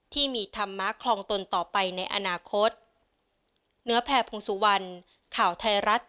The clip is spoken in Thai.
ที่มีธรรมะคลองตนต่อไปในอนาคต